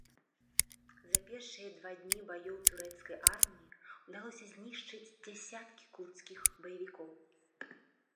За першыя два дні баёў турэцкай арміі ўдалося знішчыць дзясяткі курдскіх баевікоў.